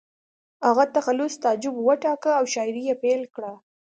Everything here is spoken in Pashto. هغه تخلص تعجب وټاکه او شاعري یې پیل کړه